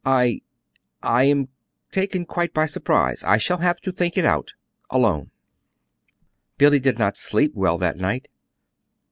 "I I am taken quite by surprise. I shall have to think it out alone." Billy did not sleep well that night.